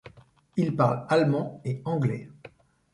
Il parle allemand et anglais.